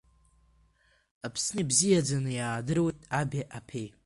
Аԥсны ибзиаӡаны иаадыруеит аби ԥеи…